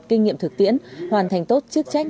kinh nghiệm thực tiễn hoàn thành tốt chức trách